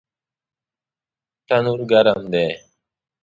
تنور ګرم دی